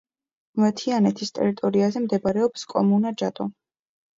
მთიანეთის ტერიტორიაზე მდებარეობს კომუნა ჯადო.